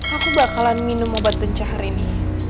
aku bakalan minum obat benca hari ini